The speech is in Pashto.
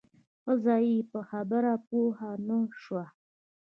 ښځه یې په خبره پوه نه شوه.